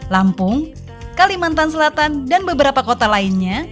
lampung kalimantan selatan dan beberapa kota lainnya